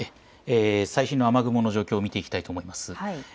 最新の雨雲の状況を見ていきたいと思います。